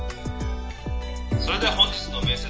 「それでは本日の面接